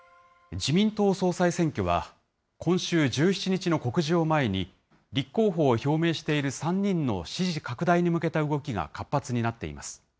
自民党総裁選挙は、今週１７日の告示を前に、立候補を表明している３人の支持拡大に向けた動きが活発になっています。